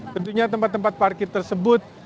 tentunya tempat tempat parkir tersebut